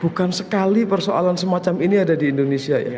bukan sekali persoalan semacam ini ada di indonesia ya